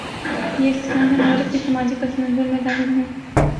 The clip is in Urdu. یہ اصطلاحیں مغرب کے سماجی پس منظر میں ظاہر ہوئیں۔